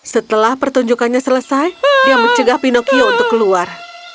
setelah pertunjukannya selesai dia mencegah pinochio untuk keluar